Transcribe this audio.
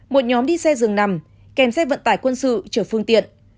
một nhóm đi xe dường nằm kèm xe vận tải quân sự chữa phương tiện